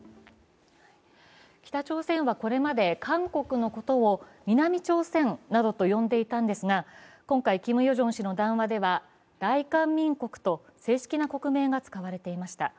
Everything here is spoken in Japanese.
北朝鮮はこれまで韓国のことを南朝鮮などと呼んでいたんですが今回、キム・ヨジョン氏の談話では大韓民国と正式な国名が使われていました。